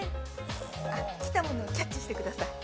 ◆来たものをキャッチしてください。